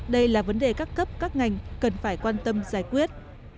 đây là vấn đề các cấp các ngành cần phải quan tâm giải quyết